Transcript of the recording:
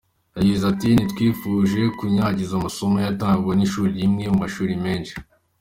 Yagize ati “Ntitwifuje kunyanyagiza amasomo yatangwaga n’ishuri rimwe mu mashuri menshi.